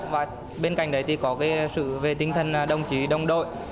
và bên cạnh đấy thì có cái sự về tinh thần đồng chí đồng đội